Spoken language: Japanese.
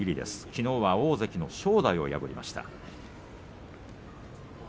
きのうは大関の正代を破りました。